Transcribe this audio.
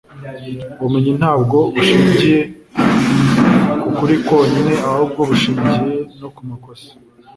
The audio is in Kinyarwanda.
ubumenyi ntabwo bushingiye ku kuri kwonyine, ahubwo bushingiye no ku makosa